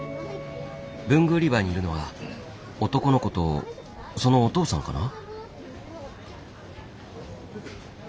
文具売り場にいるのは男の子とそのお父さんかな。